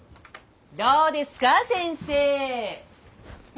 どうですか先生。え？